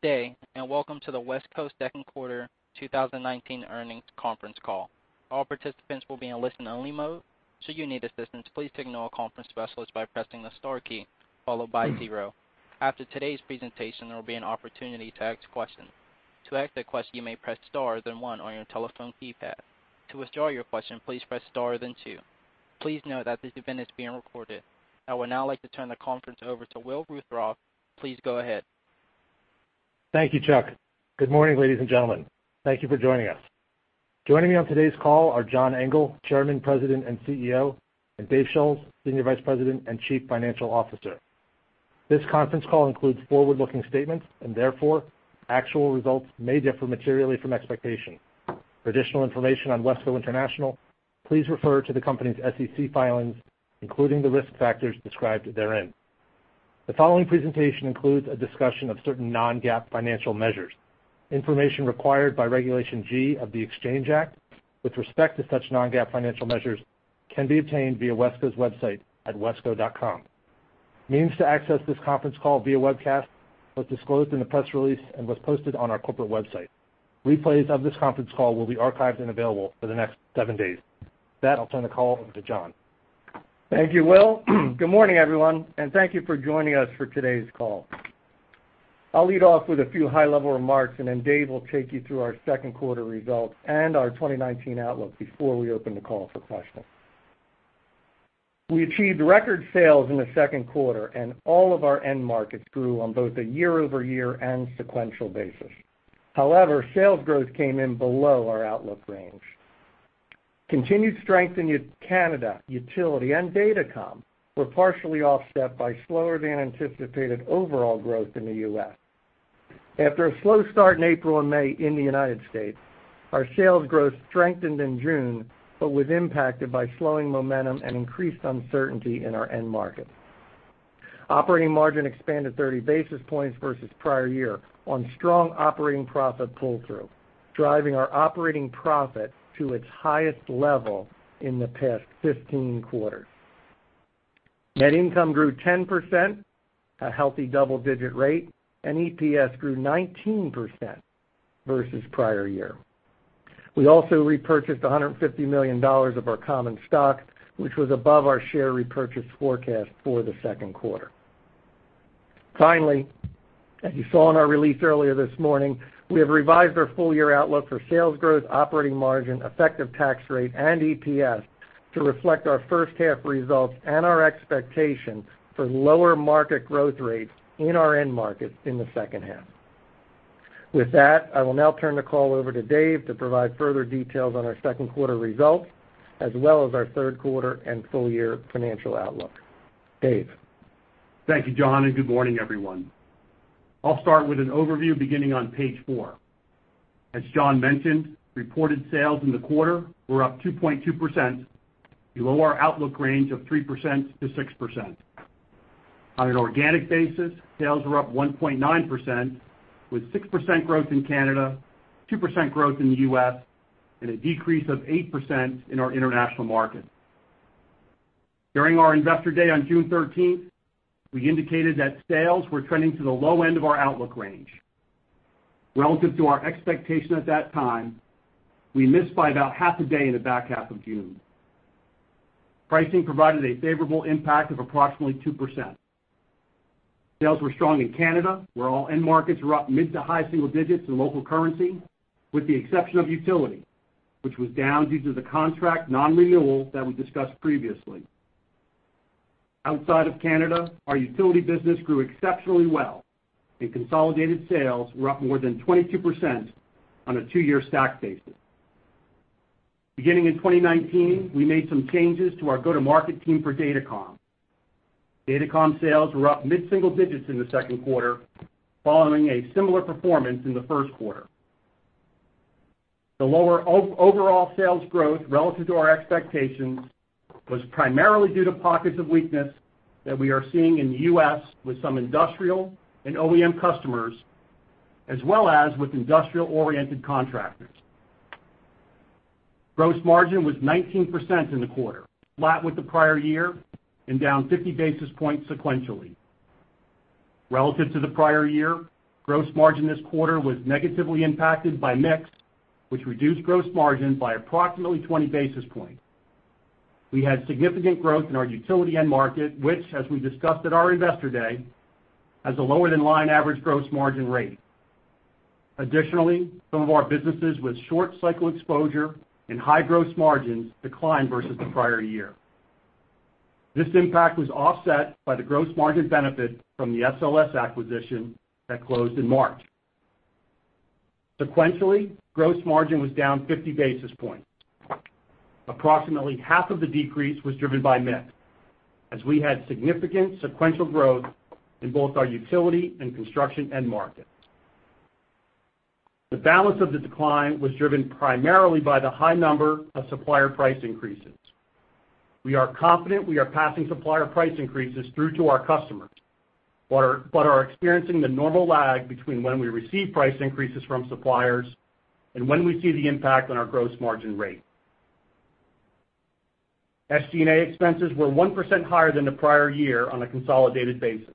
Good day, and welcome to the WESCO second quarter 2019 earnings conference call. All participants will be in listen only mode. Should you need assistance, please signal a conference specialist by pressing the star key followed by zero. After today's presentation, there will be an opportunity to ask questions. To ask a question, you may press star, then one on your telephone keypad. To withdraw your question, please press star, then two. Please note that this event is being recorded. I would now like to turn the conference over to Will Ruthrauff. Please go ahead. Thank you, Chuck. Good morning, ladies and gentlemen. Thank you for joining us. Joining me on today's call are John Engel, Chairman, President, and CEO, and Dave Schulz, Senior Vice President and Chief Financial Officer. This conference call includes forward-looking statements, and therefore, actual results may differ materially from expectations. For additional information on WESCO International, please refer to the company's SEC filings, including the risk factors described therein. The following presentation includes a discussion of certain non-GAAP financial measures. Information required by Regulation G of the Exchange Act with respect to such non-GAAP financial measures can be obtained via WESCO's website at wesco.com. Means to access this conference call via webcast was disclosed in the press release and was posted on our corporate website. Replays of this conference call will be archived and available for the next seven days. With that, I'll turn the call over to John. Thank you, Will. Good morning, everyone, and thank you for joining us for today's call. I'll lead off with a few high-level remarks, and then Dave will take you through our second quarter results and our 2019 outlook before we open the call for questions. We achieved record sales in the second quarter, and all of our end markets grew on both a year-over-year and sequential basis. However, sales growth came in below our outlook range. Continued strength in Canada, utility, and Datacom were partially offset by slower than anticipated overall growth in the U.S. After a slow start in April and May in the United States, our sales growth strengthened in June, but was impacted by slowing momentum and increased uncertainty in our end markets. Operating margin expanded 30 basis points versus prior year on strong operating profit pull-through, driving our operating profit to its highest level in the past 15 quarters. Net income grew 10%, a healthy double-digit rate. EPS grew 19% versus prior year. We also repurchased $150 million of our common stock, which was above our share repurchase forecast for the second quarter. Finally, as you saw in our release earlier this morning, we have revised our full-year outlook for sales growth, operating margin, effective tax rate, and EPS to reflect our first half results and our expectation for lower market growth rates in our end markets in the second half. With that, I will now turn the call over to Dave to provide further details on our second quarter results, as well as our third quarter and full year financial outlook. Dave? Thank you, John, and good morning, everyone. I'll start with an overview beginning on page four. As John mentioned, reported sales in the quarter were up 2.2%, below our outlook range of 3%-6%. On an organic basis, sales were up 1.9%, with 6% growth in Canada, 2% growth in the U.S., and a decrease of 8% in our international markets. During our Investor Day on June 13th, we indicated that sales were trending to the low end of our outlook range. Relative to our expectation at that time, we missed by about half a day in the back half of June. Pricing provided a favorable impact of approximately 2%. Sales were strong in Canada, where all end markets were up mid to high single digits in local currency, with the exception of utility, which was down due to the contract non-renewal that we discussed previously. Outside of Canada, our utility business grew exceptionally well, and consolidated sales were up more than 22% on a two-year stack basis. Beginning in 2019, we made some changes to our go-to-market team for Datacom. Datacom sales were up mid-single digits in the second quarter, following a similar performance in the first quarter. The lower overall sales growth relative to our expectations was primarily due to pockets of weakness that we are seeing in the U.S. with some industrial and OEM customers, as well as with industrial-oriented contractors. Gross margin was 19% in the quarter, flat with the prior year and down 50 basis points sequentially. Relative to the prior year, gross margin this quarter was negatively impacted by mix, which reduced gross margin by approximately 20 basis points. We had significant growth in our utility end market, which, as we discussed at our Investor Day, has a lower than line average gross margin rate. Additionally, some of our businesses with short cycle exposure and high gross margins declined versus the prior year. This impact was offset by the gross margin benefit from the SLS acquisition that closed in March. Sequentially, gross margin was down 50 basis points. Approximately half of the decrease was driven by mix, as we had significant sequential growth in both our utility and construction end markets. The balance of the decline was driven primarily by the high number of supplier price increases. We are confident we are passing supplier price increases through to our customers, but are experiencing the normal lag between when we receive price increases from suppliers and when we see the impact on our gross margin rate. SG&A expenses were 1% higher than the prior year on a consolidated basis.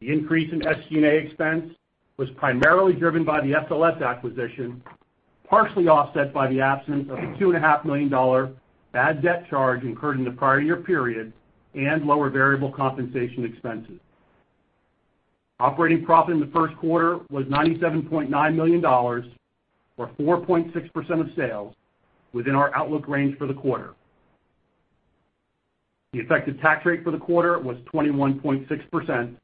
The increase in SG&A expense was primarily driven by the SLS acquisition, partially offset by the absence of a $2.5 million bad debt charge incurred in the prior year period and lower variable compensation expenses. Operating profit in the first quarter was $97.9 million, or 4.6% of sales within our outlook range for the quarter. The effective tax rate for the quarter was 21.6%,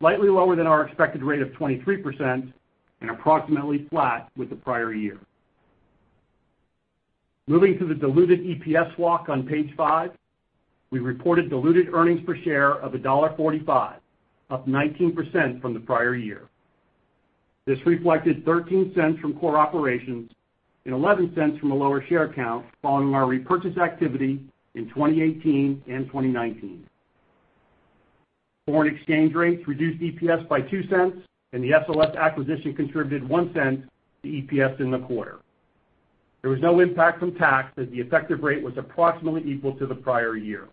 slightly lower than our expected rate of 23% and approximately flat with the prior year. Moving to the diluted EPS walk on page five, we reported diluted earnings per share of $1.45, up 19% from the prior year. This reflected $0.13 from core operations and $0.11 from a lower share count following our repurchase activity in 2018 and 2019. Foreign exchange rates reduced EPS by $0.02, and the SLS acquisition contributed $0.01 to EPS in the quarter. There was no impact from tax, as the effective rate was approximately equal to the prior year.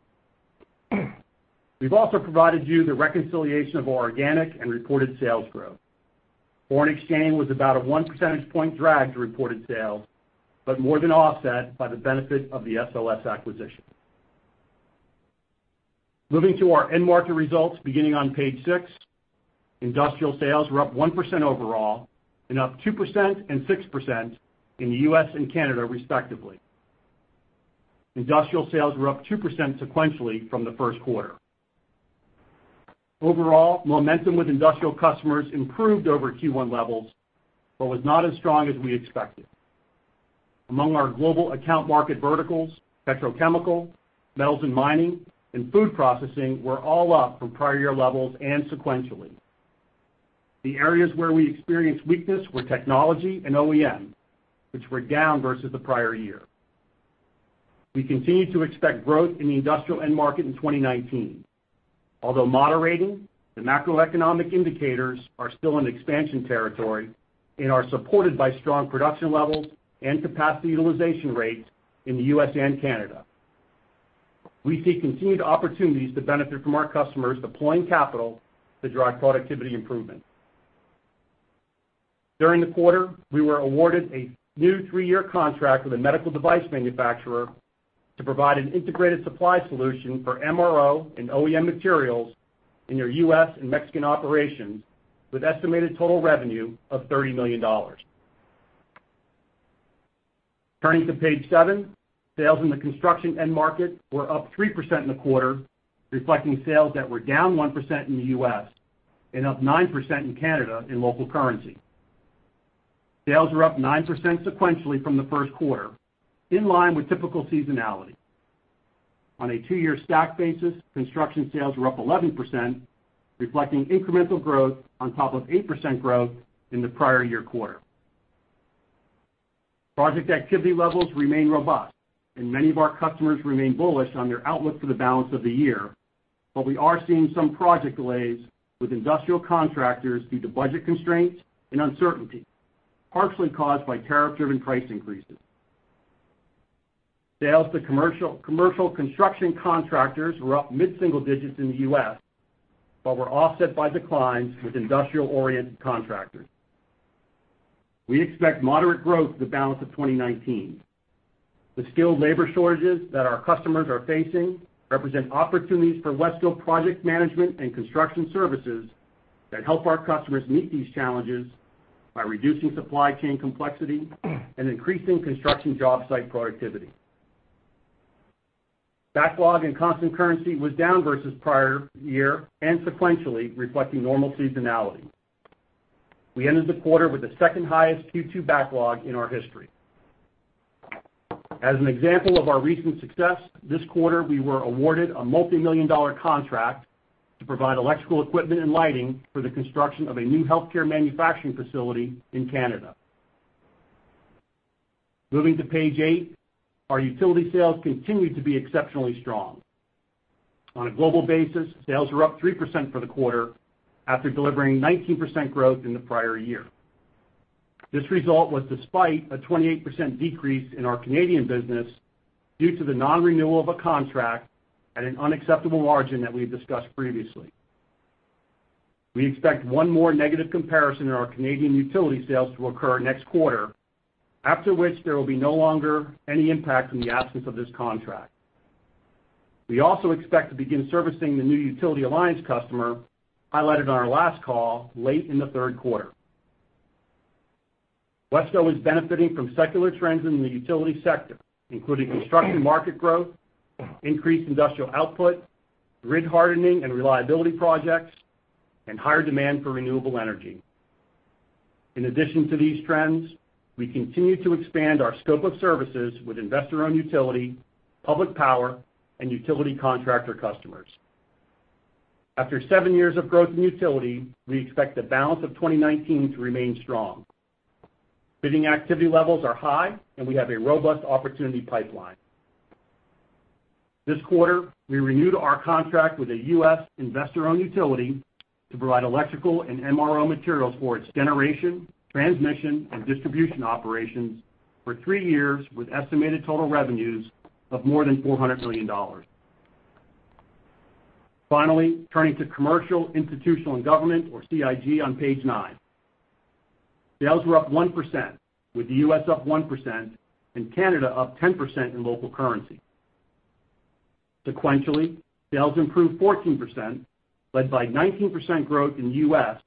We've also provided you the reconciliation of our organic and reported sales growth. Foreign exchange was about a one percentage point drag to reported sales, but more than offset by the benefit of the SLS acquisition. Moving to our end market results beginning on page six, industrial sales were up 1% overall and up 2% and 6% in the U.S. and Canada respectively. Industrial sales were up 2% sequentially from the first quarter. Overall, momentum with industrial customers improved over Q1 levels but was not as strong as we expected. Among our global account market verticals, petrochemical, metals and mining, and food processing were all up from prior year levels and sequentially. The areas where we experienced weakness were technology and OEM, which were down versus the prior year. We continue to expect growth in the industrial end market in 2019. Although moderating, the macroeconomic indicators are still in expansion territory and are supported by strong production levels and capacity utilization rates in the U.S. and Canada. We see continued opportunities to benefit from our customers deploying capital to drive productivity improvement. During the quarter, we were awarded a new 3-year contract with a medical device manufacturer to provide an integrated supply solution for MRO and OEM materials in their U.S. and Mexican operations, with estimated total revenue of $30 million. Turning to page seven, sales in the construction end market were up 3% in the quarter, reflecting sales that were down 1% in the U.S. and up 9% in Canada in local currency. Sales were up 9% sequentially from the first quarter, in line with typical seasonality. On a 2-year stack basis, construction sales were up 11%, reflecting incremental growth on top of 8% growth in the prior year quarter. Project activity levels remain robust, and many of our customers remain bullish on their outlook for the balance of the year, but we are seeing some project delays with industrial contractors due to budget constraints and uncertainty, partially caused by tariff-driven price increases. Sales to commercial construction contractors were up mid-single digits in the U.S., but were offset by declines with industrial-oriented contractors. We expect moderate growth for the balance of 2019. The skilled labor shortages that our customers are facing represent opportunities for WESCO project management and construction services that help our customers meet these challenges by reducing supply chain complexity and increasing construction job site productivity. Backlog and constant currency was down versus prior year and sequentially reflecting normal seasonality. We ended the quarter with the second highest Q2 backlog in our history. As an example of our recent success, this quarter we were awarded a multi-million-dollar contract to provide electrical equipment and lighting for the construction of a new healthcare manufacturing facility in Canada. Moving to page eight, our utility sales continued to be exceptionally strong. On a global basis, sales were up 3% for the quarter after delivering 19% growth in the prior year. This result was despite a 28% decrease in our Canadian business due to the non-renewal of a contract at an unacceptable margin that we've discussed previously. We expect one more negative comparison in our Canadian utility sales to occur next quarter, after which there will be no longer any impact from the absence of this contract. We also expect to begin servicing the new utility alliance customer highlighted on our last call late in the third quarter. WESCO is benefiting from secular trends in the utility sector, including construction market growth, increased industrial output, grid hardening and reliability projects, and higher demand for renewable energy. In addition to these trends, we continue to expand our scope of services with investor-owned utility, public power, and utility contractor customers. After seven years of growth in utility, we expect the balance of 2019 to remain strong. Bidding activity levels are high, and we have a robust opportunity pipeline. This quarter, we renewed our contract with a U.S. investor-owned utility to provide electrical and MRO materials for its generation, transmission, and distribution operations for three years, with estimated total revenues of more than $400 million. Turning to commercial, institutional, and government, or CIG, on page nine. Sales were up 1%, with the U.S. up 1% and Canada up 10% in local currency. Sequentially, sales improved 14%, led by 19% growth in the U.S.,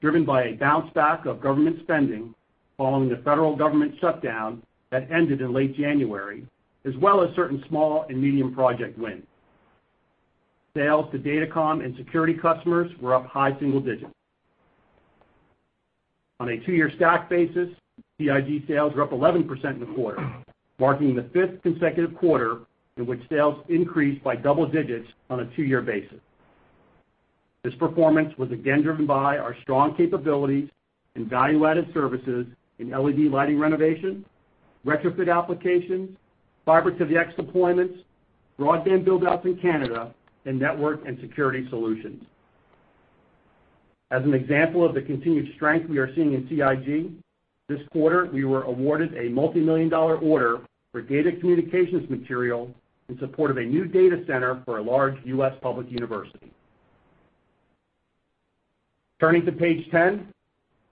driven by a bounce back of government spending following the federal government shutdown that ended in late January, as well as certain small and medium project wins. Sales to Datacom and security customers were up high single digits. On a two-year stack basis, CIG sales were up 11% in the quarter, marking the fifth consecutive quarter in which sales increased by double digits on a two-year basis. This performance was again driven by our strong capabilities in value-added services in LED lighting renovations, retrofit applications, Fiber-to-the-x deployments, broadband build-outs in Canada, and network and security solutions. As an example of the continued strength we are seeing in CIG, this quarter, we were awarded a $multimillion-dollar order for data communications material in support of a new data center for a large U.S. public university. Turning to page 10,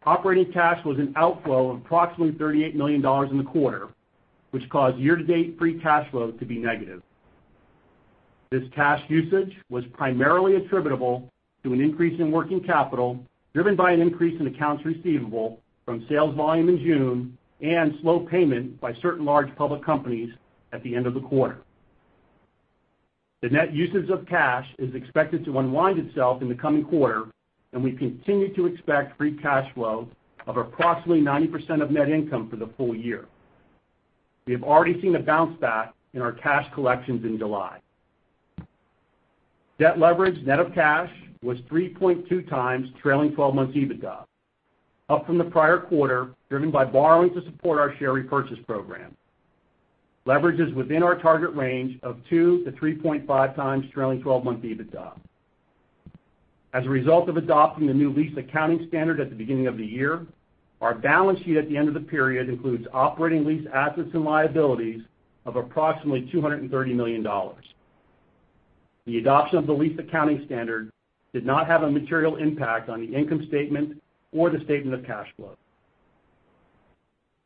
operating cash was an outflow of approximately $38 million in the quarter, which caused year-to-date free cash flow to be negative. This cash usage was primarily attributable to an increase in working capital, driven by an increase in accounts receivable from sales volume in June and slow payment by certain large public companies at the end of the quarter. The net usage of cash is expected to unwind itself in the coming quarter, and we continue to expect free cash flow of approximately 90% of net income for the full year. We have already seen a bounce back in our cash collections in July. Debt leverage net of cash was 3.2 times trailing 12 months EBITDA, up from the prior quarter, driven by borrowing to support our share repurchase program. Leverage is within our target range of 2 to 3.5 times trailing 12-month EBITDA. As a result of adopting the new lease accounting standard at the beginning of the year, our balance sheet at the end of the period includes operating lease assets and liabilities of approximately $230 million. The adoption of the lease accounting standard did not have a material impact on the income statement or the statement of cash flow.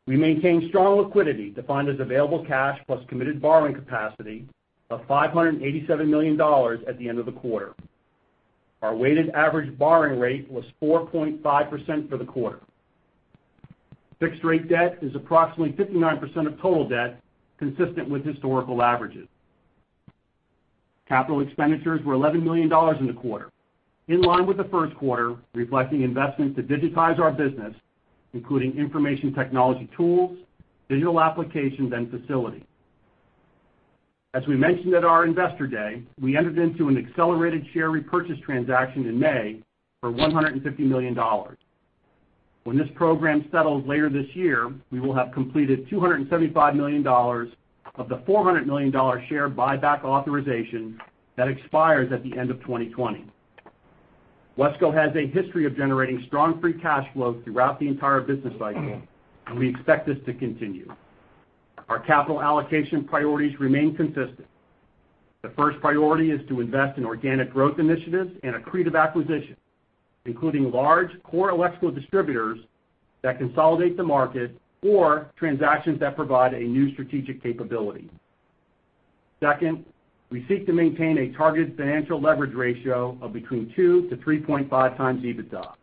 We maintained strong liquidity, defined as available cash plus committed borrowing capacity of $587 million at the end of the quarter. Our weighted average borrowing rate was 4.5% for the quarter. Fixed-rate debt is approximately 59% of total debt, consistent with historical averages. Capital expenditures were $11 million in the quarter, in line with the first quarter, reflecting investments to digitize our business, including information technology tools, digital applications, and facility. As we mentioned at our Investor Day, we entered into an accelerated share repurchase transaction in May for $150 million. When this program settles later this year, we will have completed $275 million of the $400 million share buyback authorization that expires at the end of 2020. WESCO has a history of generating strong free cash flow throughout the entire business cycle, and we expect this to continue. Our capital allocation priorities remain consistent. The first priority is to invest in organic growth initiatives and accretive acquisitions, including large core electrical distributors that consolidate the market or transactions that provide a new strategic capability. Second, we seek to maintain a target financial leverage ratio of between two to 3.5 times EBITDA.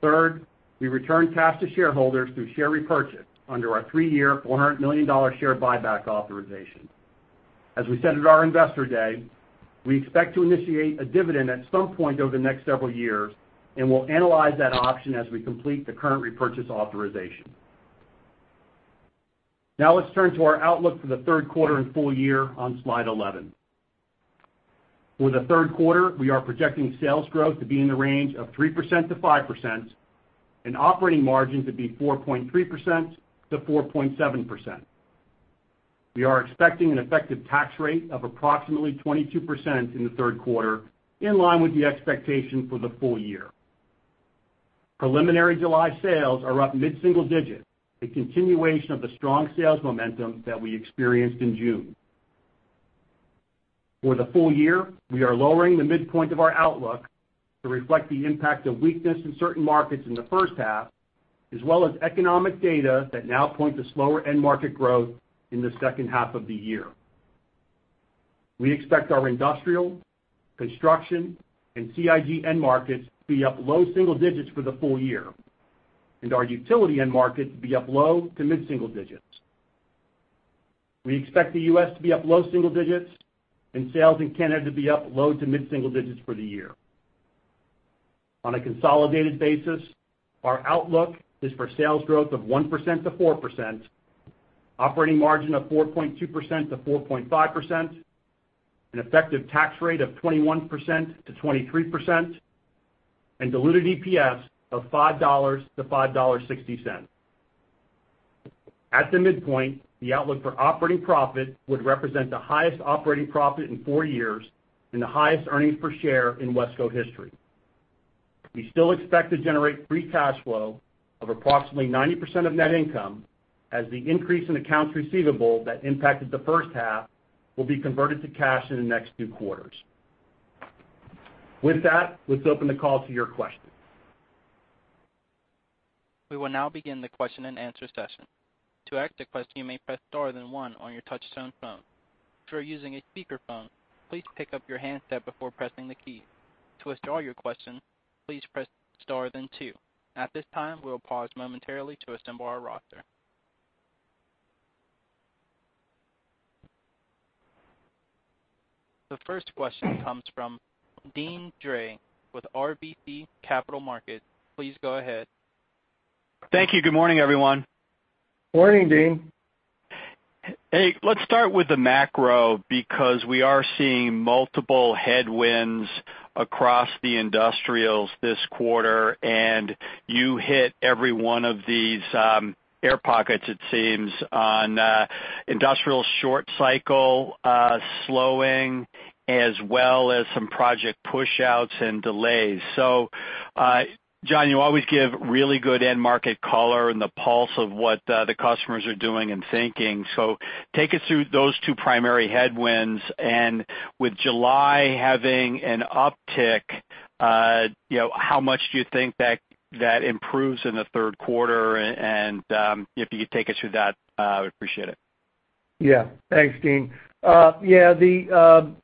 Third, we return cash to shareholders through share repurchase under our three-year $400 million share buyback authorization. As we said at our Investor Day, we expect to initiate a dividend at some point over the next several years, and we'll analyze that option as we complete the current repurchase authorization. Let's turn to our outlook for the third quarter and full year on slide 11. For the third quarter, we are projecting sales growth to be in the range of 3% to 5% and operating margins to be 4.3% to 4.7%. We are expecting an effective tax rate of approximately 22% in the third quarter, in line with the expectation for the full year. Preliminary July sales are up mid-single digit, a continuation of the strong sales momentum that we experienced in June. For the full year, we are lowering the midpoint of our outlook to reflect the impact of weakness in certain markets in the first half, as well as economic data that now point to slower end market growth in the second half of the year. We expect our industrial, construction, and CIG end markets to be up low single digits for the full year, and our utility end market to be up low to mid-single digits. We expect the U.S. to be up low single digits and sales in Canada to be up low to mid-single digits for the year. On a consolidated basis, our outlook is for sales growth of 1%-4%, operating margin of 4.2%-4.5%, an effective tax rate of 21%-23%, and diluted EPS of $5-$5.60. At the midpoint, the outlook for operating profit would represent the highest operating profit in 4 years and the highest earnings per share in WESCO history. We still expect to generate free cash flow of approximately 90% of net income as the increase in accounts receivable that impacted the first half will be converted to cash in the next two quarters. With that, let's open the call to your questions. We will now begin the question and answer session. To ask a question, you may press star then one on your touchtone phone. If you are using a speakerphone, please pick up your handset before pressing the key. To withdraw your question, please press star then two. At this time, we will pause momentarily to assemble our roster. The first question comes from Deane Dray with RBC Capital Markets. Please go ahead. Thank you. Good morning, everyone. Morning, Deane. Hey, let's start with the macro, because we are seeing multiple headwinds across the industrials this quarter, and you hit every one of these air pockets it seems, on industrial short cycle slowing as well as some project pushouts and delays. John, you always give really good end market color and the pulse of what the customers are doing and thinking. Take us through those two primary headwinds, and with July having an uptick, how much do you think that improves in the third quarter? If you could take us through that, I would appreciate it. Thanks, Deane. The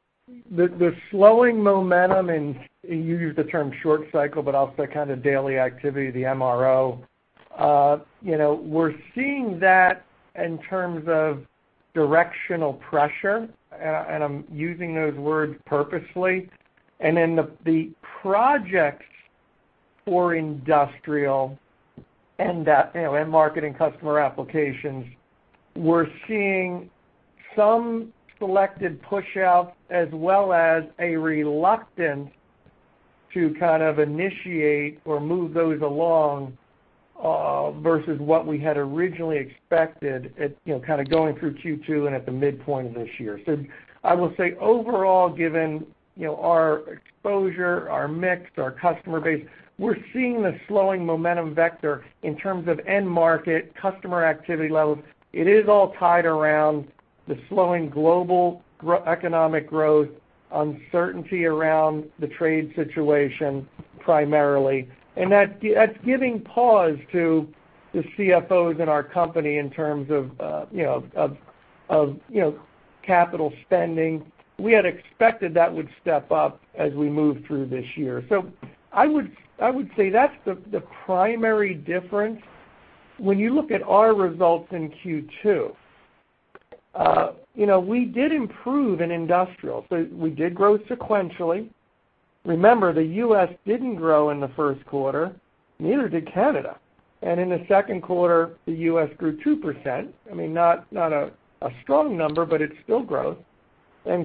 slowing momentum in, you used the term short cycle, but also kind of daily activity, the MRO. We're seeing that in terms of directional pressure, and I'm using those words purposefully. The projects for industrial end marketing customer applications, we're seeing some selected pushout as well as a reluctance to kind of initiate or move those along, versus what we had originally expected at kind of going through Q2 and at the midpoint of this year. I will say overall, given our exposure, our mix, our customer base, we're seeing the slowing momentum vector in terms of end market customer activity levels. It is all tied around the slowing global economic growth, uncertainty around the trade situation primarily, and that's giving pause to the CFOs in our company in terms of capital spending. We had expected that would step up as we move through this year. I would say that's the primary difference. When you look at our results in Q2, we did improve in industrial. We did grow sequentially. Remember, the U.S. didn't grow in the first quarter, neither did Canada. In the second quarter, the U.S. grew 2%. I mean, not a strong number, but it's still growth.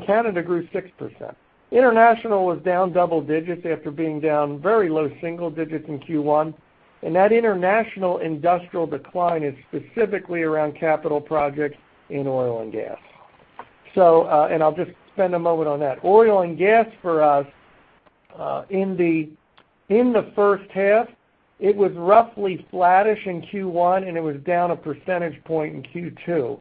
Canada grew 6%. International was down double digits after being down very low single digits in Q1, that international industrial decline is specifically around capital projects in oil and gas. I'll just spend a moment on that. Oil and gas for us, in the first half, it was roughly flattish in Q1 and it was down a percentage point in Q2.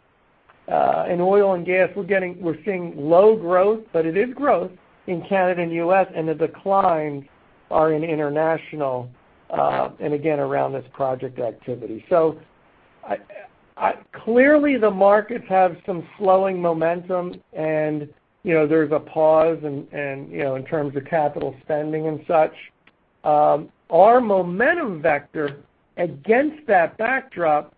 In oil and gas, we're seeing low growth. It is growth in Canada and U.S. The declines are in international, again, around this project activity. Clearly the markets have some slowing momentum and there's a pause in terms of capital spending and such. Our momentum vector against that backdrop,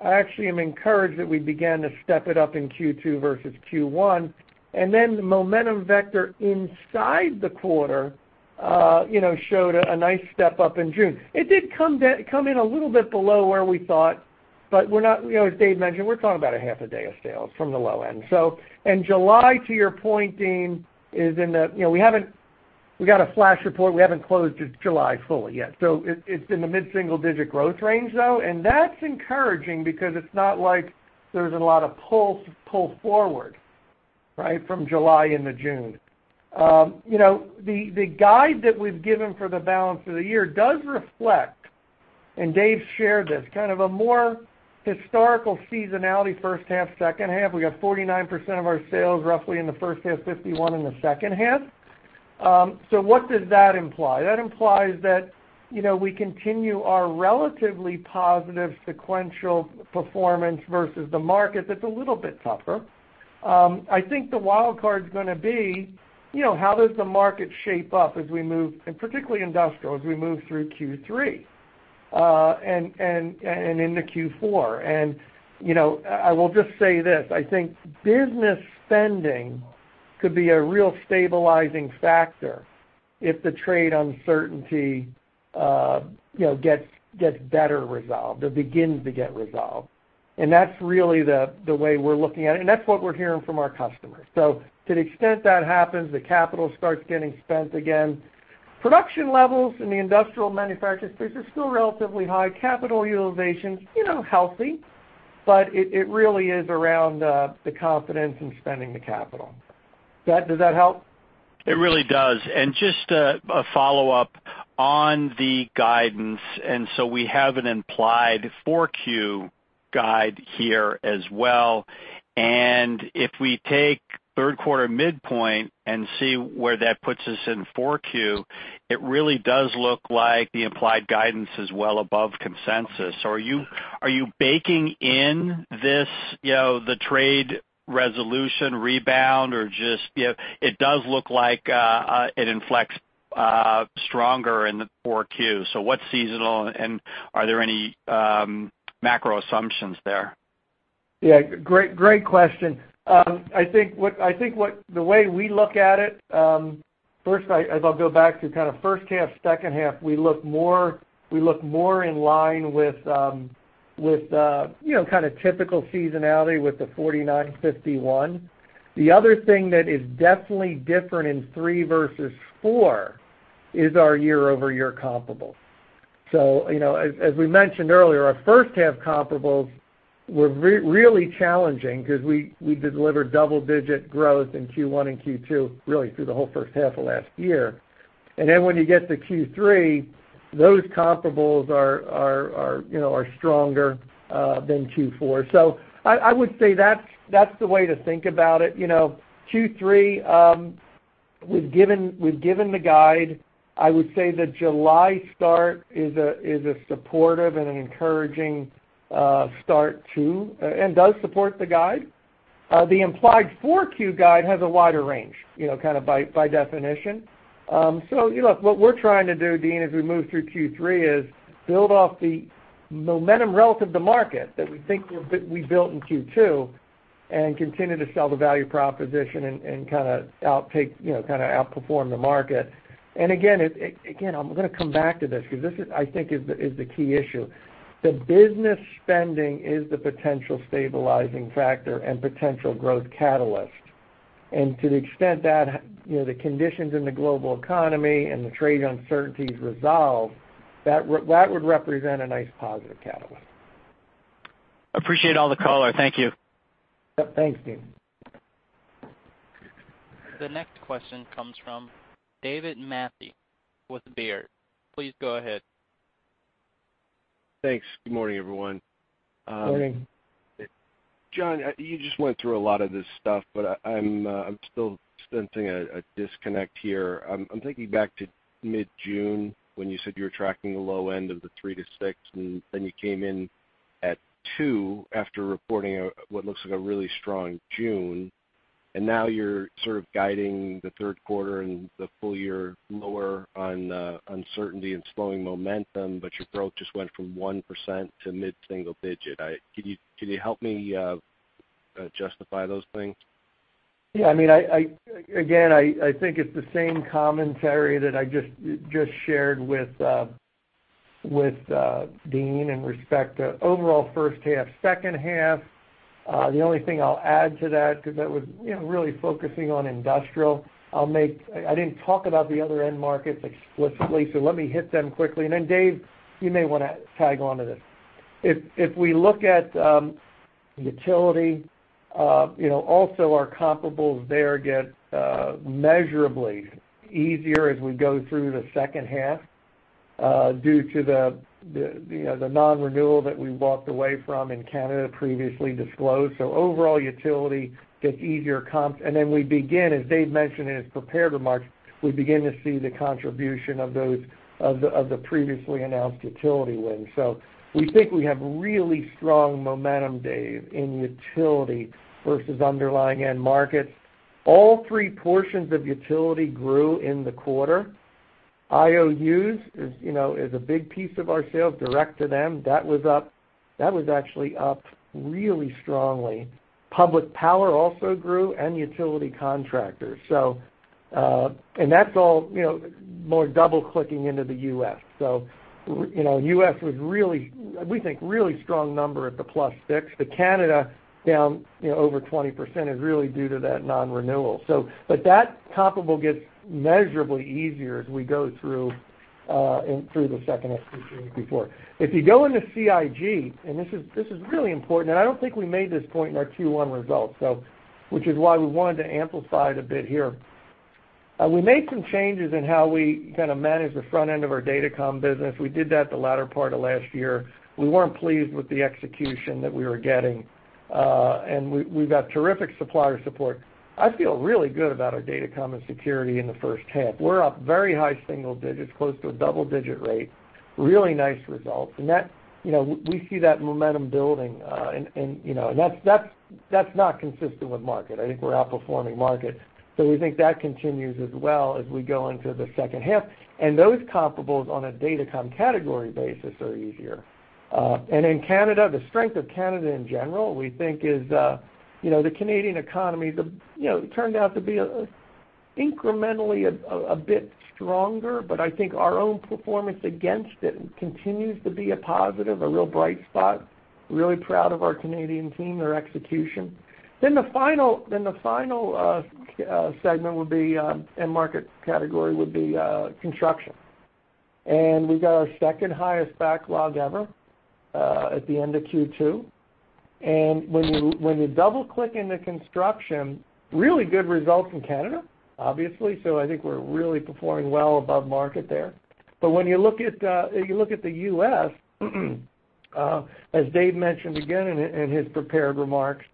I actually am encouraged that we began to step it up in Q2 versus Q1. The momentum vector inside the quarter showed a nice step up in June. It did come in a little bit below where we thought. As Dave mentioned, we're talking about a half a day of sales from the low end. July to your point, Deane, we got a flash report, we haven't closed July fully yet. It's in the mid-single digit growth range though, and that's encouraging because it's not like there's a lot of pull forward from July into June. The guide that we've given for the balance of the year does reflect, and Dave shared this, kind of a more historical seasonality first half, second half. We got 49% of our sales roughly in the first half, 51% in the second half. What does that imply? That implies that we continue our relatively positive sequential performance versus the market that's a little bit tougher. I think the wild card's going to be, how does the market shape up as we move, and particularly industrial, as we move through Q3, and into Q4. I will just say this, I think business spending could be a real stabilizing factor if the trade uncertainty gets better resolved or begins to get resolved. That's really the way we're looking at it, and that's what we're hearing from our customers. To the extent that happens, the capital starts getting spent again. Production levels in the industrial manufacturing space are still relatively high. Capital utilization, healthy, but it really is around the confidence in spending the capital. Does that help? It really does. Just a follow-up on the guidance. We have an implied 4Q guide here as well. If we take third quarter midpoint and see where that puts us in 4Q, it really does look like the implied guidance is well above consensus. Are you baking in this the trade resolution rebound or? It does look like it inflects stronger in the 4Q. What's seasonal, and are there any macro assumptions there? Yeah, great question. I think the way we look at it, first, as I'll go back to kind of first half, second half, we look more in line with kind of typical seasonality with the 49/51. The other thing that is definitely different in three versus four is our year-over-year comparable. As we mentioned earlier, our first half comparables were really challenging because we delivered double-digit growth in Q1 and Q2, really through the whole first half of last year. When you get to Q3, those comparables are stronger than Q4. I would say that's the way to think about it. Q3, we've given the guide. I would say the July start is a supportive and an encouraging start too, and does support the guide. The implied 4Q guide has a wider range by definition. Look, what we're trying to do, Deane, as we move through Q3, is build off the momentum relative to market that we think we built in Q2 and continue to sell the value proposition and kind of outperform the market. Again, I'm going to come back to this because this, I think, is the key issue. The business spending is the potential stabilizing factor and potential growth catalyst. To the extent that the conditions in the global economy and the trade uncertainties resolve, that would represent a nice positive catalyst. Appreciate all the color. Thank you. Yep. Thanks, Deane. The next question comes from David Manthey with Baird. Please go ahead. Thanks. Good morning, everyone. Morning. John, you just went through a lot of this stuff, but I'm still sensing a disconnect here. I'm thinking back to mid-June when you said you were tracking the low end of the three to six, and then you came in at two after reporting what looks like a really strong June. Now you're sort of guiding the third quarter and the full year lower on uncertainty and slowing momentum, but your growth just went from 1% to mid-single digit. Can you help me justify those things? Yeah, again, I think it's the same commentary that I just shared with Deane in respect to overall first half, second half. The only thing I'll add to that, because that was really focusing on industrial. I didn't talk about the other end markets explicitly, let me hit them quickly. Dave, you may want to tag onto this. If we look at utility, also our comparables there get measurably easier as we go through the second half due to the non-renewal that we walked away from in Canada previously disclosed. Overall, utility gets easier comps, then we begin, as Dave mentioned in his prepared remarks, we begin to see the contribution of the previously announced utility wins. We think we have really strong momentum, Dave, in utility versus underlying end markets. All three portions of utility grew in the quarter. IOUs is a big piece of our sales, direct to them. That was actually up really strongly. Public power also grew and utility contractors. That's all more double-clicking into the U.S. U.S. was, we think, really strong number at the +6. The Canada down over 20% is really due to that non-renewal. That comparable gets measurably easier as we go through the second S before. If you go into CIG, this is really important, and I don't think we made this point in our Q1 results, which is why we wanted to amplify it a bit here. We made some changes in how we kind of manage the front end of our datacom business. We did that the latter part of last year. We weren't pleased with the execution that we were getting. We've got terrific supplier support. I feel really good about our Datacom and security in the first half. We're up very high single digits, close to a double-digit rate. Really nice results. We see that momentum building, and that's not consistent with market. I think we're outperforming market. We think that continues as well as we go into the second half. Those comparables on a Datacom category basis are easier. In Canada, the strength of Canada in general, we think is the Canadian economy turned out to be incrementally a bit stronger, but I think our own performance against it continues to be a positive, a real bright spot. Really proud of our Canadian team, their execution. The final segment would be, end market category would be, construction. We've got our second highest backlog ever at the end of Q2. When you double-click into construction, really good results in Canada, obviously. I think we're really performing well above market there. When you look at the U.S., as Dave mentioned again in his prepared remarks,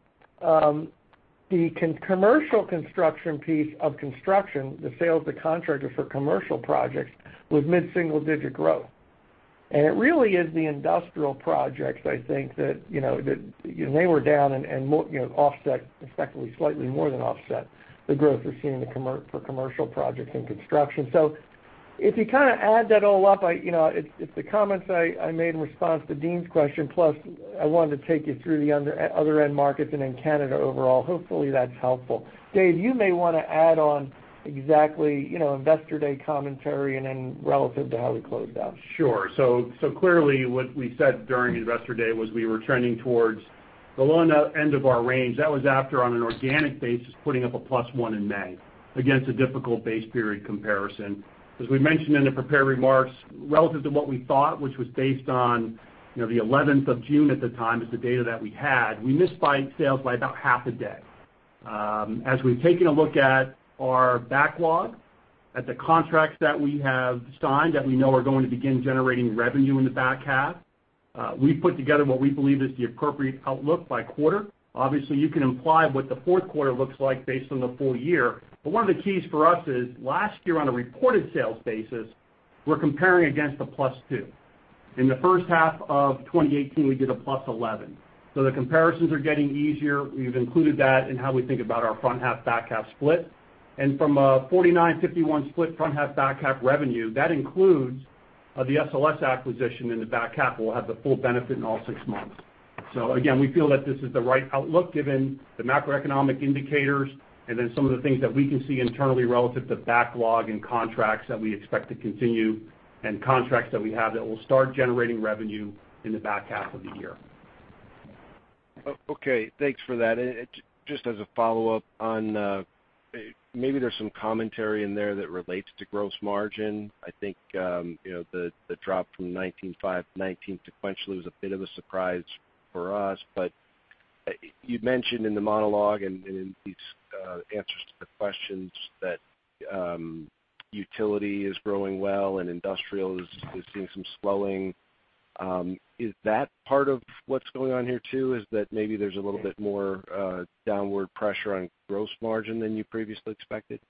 the commercial construction piece of construction, the sales to contractors for commercial projects, was mid-single digit growth. It really is the industrial projects, I think that they were down and offset, effectively slightly more than offset, the growth we're seeing for commercial projects in construction. If you add that all up, it's the comments I made in response to Deane's question, plus I wanted to take you through the other end markets and then Canada overall. Hopefully that's helpful. Dave, you may want to add on exactly Investor Day commentary and then relative to how we closed out. Clearly, what we said during Investor Day was we were trending towards the low end of our range. That was after, on an organic basis, putting up a plus one in May against a difficult base period comparison. We mentioned in the prepared remarks, relative to what we thought, which was based on the 11th of June at the time, is the data that we had, we missed by sales by about half a day. We've taken a look at our backlog, at the contracts that we have signed that we know are going to begin generating revenue in the back half, we've put together what we believe is the appropriate outlook by quarter. Obviously, you can imply what the fourth quarter looks like based on the full year. One of the keys for us is last year on a reported sales basis, we're comparing against a +2%. In the first half of 2018, we did a +11%. The comparisons are getting easier. We've included that in how we think about our front half/back half split. From a 49/51 split front half/back half revenue, that includes the SLS acquisition in the back half will have the full benefit in all six months. Again, we feel that this is the right outlook given the macroeconomic indicators and some of the things that we can see internally relative to backlog and contracts that we expect to continue and contracts that we have that will start generating revenue in the back half of the year. Okay, thanks for that. Just as a follow-up on, maybe there's some commentary in there that relates to gross margin. I think, the drop from 19.5 to 19 sequentially was a bit of a surprise for us. You mentioned in the monologue and in these answers to the questions that utility is growing well and industrial is seeing some slowing. Is that part of what's going on here too? Is that maybe there's a little bit more downward pressure on gross margin than you previously expected?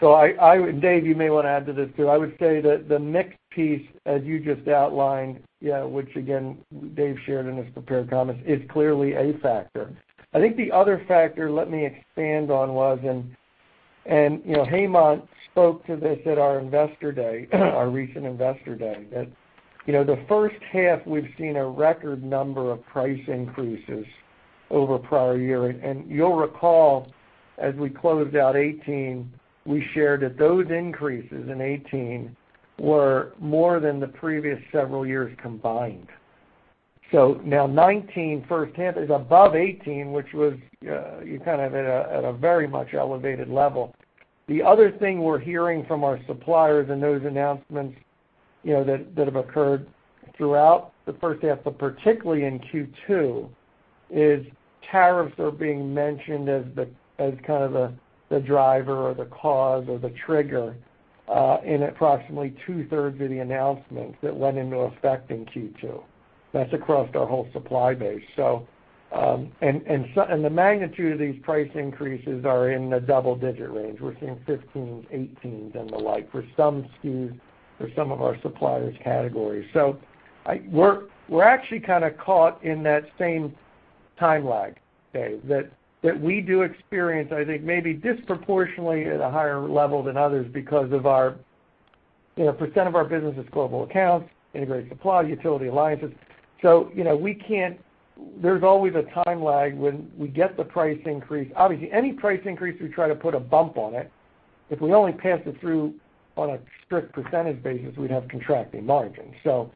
Dave, you may want to add to this, too. I would say that the mix piece, as you just outlined, which again, Dave shared in his prepared comments, is clearly a factor. I think the other factor, let me expand on was, and Hemant spoke to this at our recent Investor Day, that the first half we've seen a record number of price increases over prior year. You'll recall, as we closed out 2018, we shared that those increases in 2018 were more than the previous several years combined. Now 2019 first half is above 2018, which was at a very much elevated level. The other thing we're hearing from our suppliers and those announcements that have occurred throughout the first half, but particularly in Q2, is tariffs are being mentioned as the driver or the cause or the trigger in approximately two-thirds of the announcements that went into effect in Q2. That's across our whole supply base. The magnitude of these price increases are in the double-digit range. We're seeing 15s, 18s, and the like for some SKUs for some of our suppliers' categories. We're actually kind of caught in that same time lag, Dave, that we do experience, I think, maybe disproportionately at a higher level than others because of our percent of our business is global accounts, integrated supply, utility alliances. There's always a time lag when we get the price increase. Obviously, any price increase, we try to put a bump on it. If we only pass it through on a strict percentage basis, we'd have contracting margins. We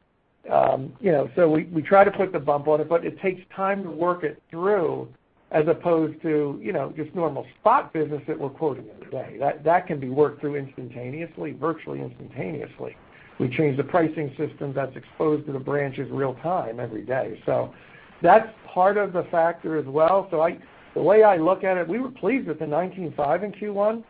try to put the bump on it, but it takes time to work it through as opposed to just normal spot business that we're quoting every day. That can be worked through instantaneously, virtually instantaneously. We change the pricing system that's exposed to the branches real time every day. That's part of the factor as well. The way I look at it, we were pleased with the 19.5% in Q1.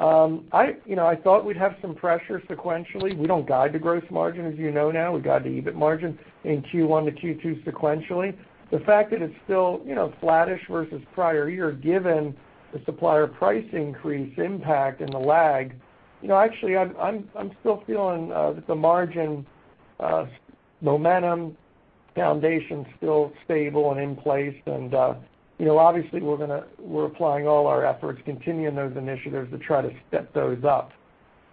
I thought we'd have some pressure sequentially. We don't guide to gross margin, as you know now. We guide to EBIT margin in Q1 to Q2 sequentially. The fact that it's still flattish versus prior year, given the supplier price increase impact and the lag, actually, I'm still feeling that the margin momentum foundation's still stable and in place. Obviously, we're applying all our efforts, continuing those initiatives to try to step those up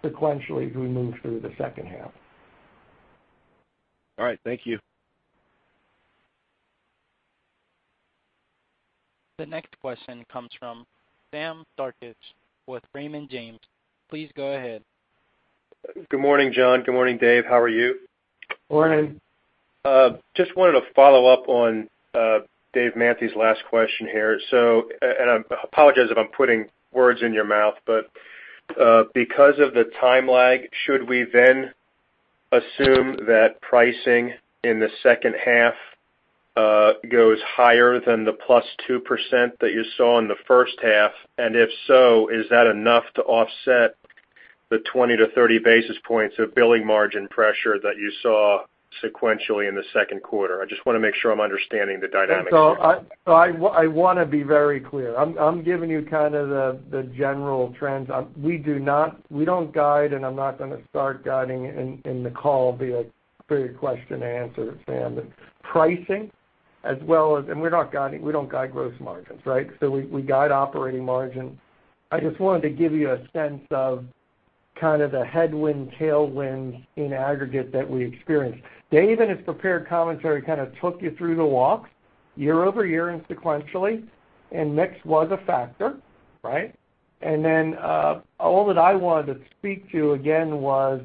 sequentially as we move through the second half. All right. Thank you. The next question comes from Sam Darkatsh with Raymond James. Please go ahead. Good morning, John. Good morning, Dave. How are you? Morning. Just wanted to follow up on Dave Manthey's last question here. I apologize if I'm putting words in your mouth, but because of the time lag, should we then assume that pricing in the second half goes higher than the +2% that you saw in the first half? If so, is that enough to offset the 20 basis points-30 basis points of billing margin pressure that you saw sequentially in the second quarter? I just want to make sure I'm understanding the dynamics. I want to be very clear. I'm giving you kind of the general trends. We don't guide, I'm not going to start guiding in the call via period question answer, Sam. It's pricing. We don't guide gross margins, right? We guide operating margin. I just wanted to give you a sense of kind of the headwind, tailwind in aggregate that we experienced. Dave, in his prepared commentary, kind of took you through the walks year-over-year and sequentially, mix was a factor, right? All that I wanted to speak to again was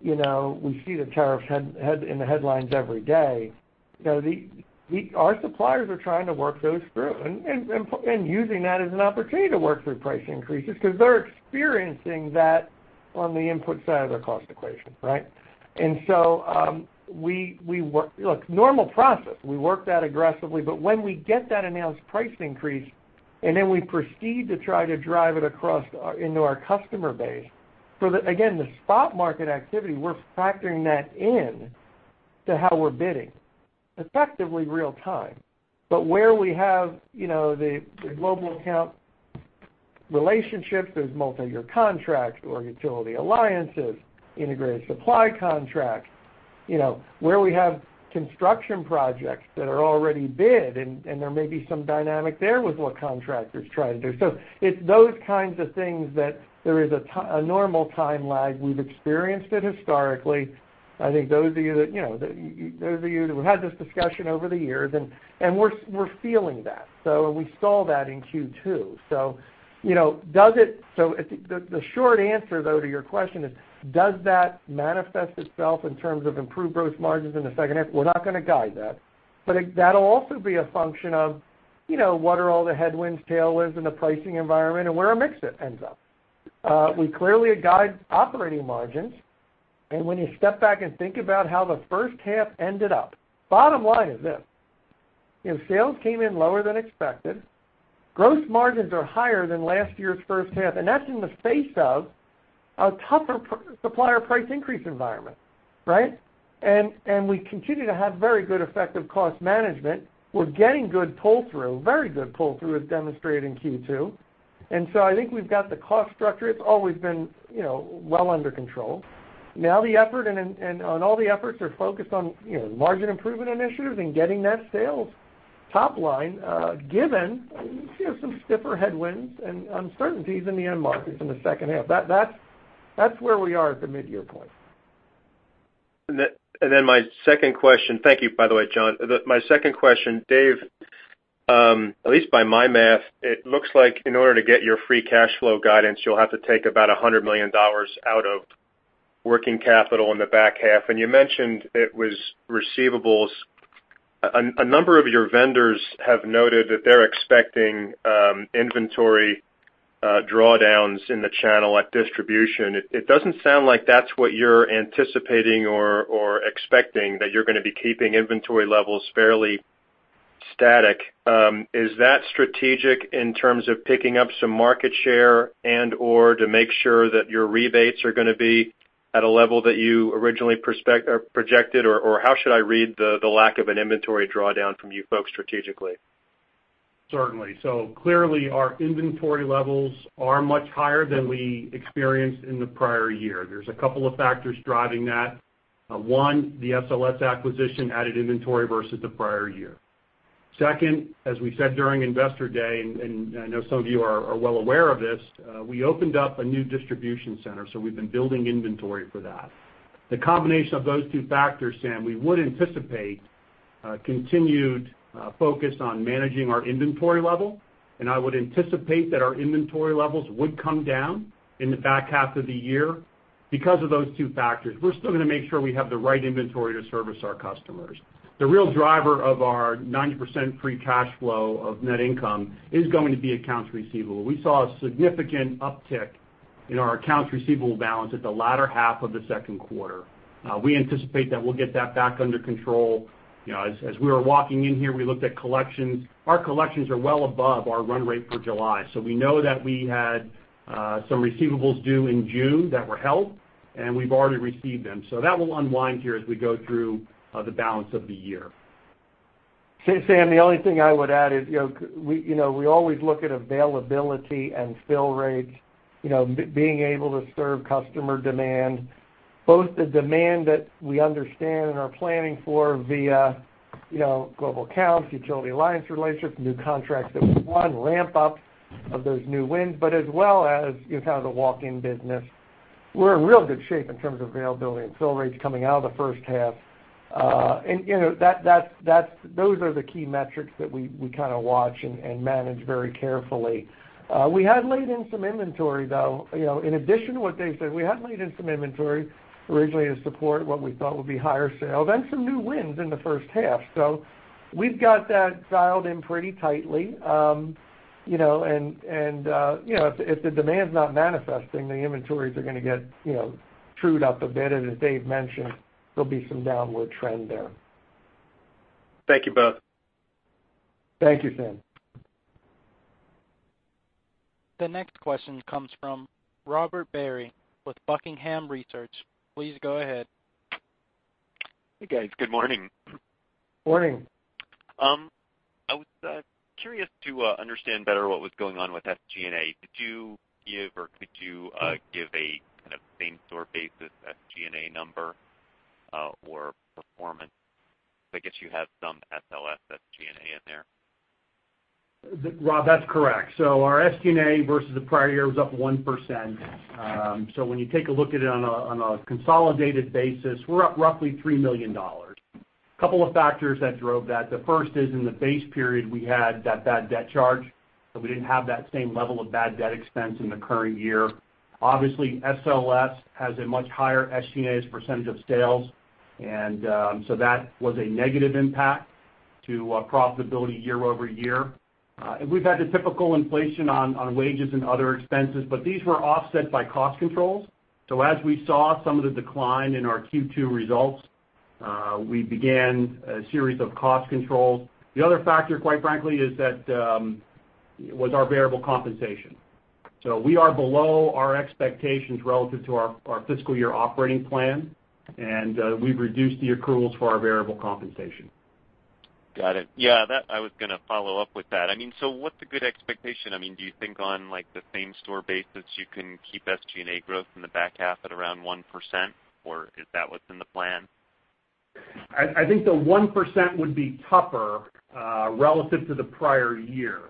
we see the tariffs in the headlines every day. Our suppliers are trying to work those through and using that as an opportunity to work through price increases because they're experiencing that on the input side of their cost equation, right? Normal process, we work that aggressively, when we get that announced price increase, we proceed to try to drive it across into our customer base, for again, the spot market activity, we're factoring that in to how we're bidding effectively real time. Where we have the global account relationships, there's multi-year contracts or utility alliances, integrated supply contracts, where we have construction projects that are already bid, there may be some dynamic there with what contractors try to do. It's those kinds of things that there is a normal time lag. We've experienced it historically. I think those of you that we've had this discussion over the years, we're feeling that, we saw that in Q2. The short answer, though, to your question is does that manifest itself in terms of improved gross margins in the second half? We're not going to guide that, but that'll also be a function of what are all the headwinds, tailwinds in the pricing environment and where our mix ends up. We clearly guide operating margins, and when you step back and think about how the first half ended up, bottom line is this, sales came in lower than expected. Gross margins are higher than last year's first half, and that's in the face of a tougher supplier price increase environment, right? We continue to have very good effective cost management. We're getting good pull-through, very good pull-through as demonstrated in Q2. I think we've got the cost structure. It's always been well under control. Now all the efforts are focused on margin improvement initiatives and getting that sales top line given some stiffer headwinds and uncertainties in the end markets in the second half. That's where we are at the mid-year point. My second question. Thank you, by the way, John. My second question, Dave, at least by my math, it looks like in order to get your free cash flow guidance, you'll have to take about $100 million out of working capital in the back half. You mentioned it was receivables. A number of your vendors have noted that they're expecting inventory drawdowns in the channel at distribution. It doesn't sound like that's what you're anticipating or expecting, that you're going to be keeping inventory levels fairly static. Is that strategic in terms of picking up some market share and/or to make sure that your rebates are going to be at a level that you originally projected? How should I read the lack of an inventory drawdown from you folks strategically? Certainly. Clearly our inventory levels are much higher than we experienced in the prior year. There's a couple of factors driving that. One, the SLS acquisition added inventory versus the prior year. Second, as we said during Investor Day, and I know some of you are well aware of this, we opened up a new distribution center, so we've been building inventory for that. The combination of those two factors, Sam, we would anticipate a continued focus on managing our inventory level, and I would anticipate that our inventory levels would come down in the back half of the year because of those two factors. We're still going to make sure we have the right inventory to service our customers. The real driver of our 90% free cash flow of net income is going to be accounts receivable. We saw a significant uptick in our accounts receivable balance at the latter half of the second quarter. We anticipate that we'll get that back under control. As we were walking in here, we looked at collections. Our collections are well above our run rate for July. We know that we had some receivables due in June that were held, and we've already received them. That will unwind here as we go through the balance of the year. Sam, the only thing I would add is we always look at availability and fill rates, being able to serve customer demand, both the demand that we understand and are planning for via global accounts, utility alliance relationships, new contracts that we've won, ramp up of those new wins, but as well as kind of the walk-in business. We're in real good shape in terms of availability and fill rates coming out of the first half. Those are the key metrics that we kind of watch and manage very carefully. We had laid in some inventory, though. In addition to what Dave said, we had laid in some inventory originally to support what we thought would be higher sales and some new wins in the first half. We've got that dialed in pretty tightly. If the demand's not manifesting, the inventories are going to get trued up a bit, and as Dave mentioned, there'll be some downward trend there. Thank you both. Thank you, Sam. The next question comes from Robert Barry with Buckingham Research. Please go ahead. Hey, guys. Good morning. Morning. I was curious to understand better what was going on with SG&A. Did you give or could you give a kind of same-store basis SG&A number or performance? I guess you have some SLS SG&A in there. Rob, that's correct. Our SG&A versus the prior year was up 1%. When you take a look at it on a consolidated basis, we're up roughly $3 million. Couple of factors that drove that. The first is in the base period, we had that bad debt charge, so we didn't have that same level of bad debt expense in the current year. Obviously, SLS has a much higher SG&A as a percentage of sales. That was a negative impact to profitability year-over-year. We've had the typical inflation on wages and other expenses, but these were offset by cost controls. As we saw some of the decline in our Q2 results, we began a series of cost controls. The other factor, quite frankly, was our variable compensation. We are below our expectations relative to our fiscal year operating plan, and we've reduced the accruals for our variable compensation. Got it. Yeah, I was going to follow up with that. What's a good expectation? Do you think on the same store basis, you can keep SG&A growth in the back half at around 1% or is that what's in the plan? I think the 1% would be tougher, relative to the prior year.